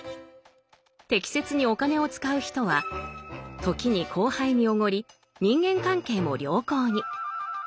適切にお金を使う人は時に後輩におごり人間関係も良好に。